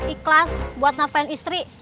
ikhlas buat nafain istri